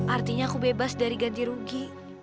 artinya aku bebas dari ganti rugi